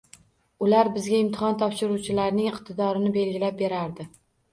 Ular bizga imtihon topshiruvchilarning iqtidorini belgilab berar edi.